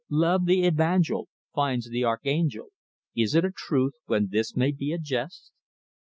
Love, the evangel, Finds the Archangel? Is that a truth when this may be a jest?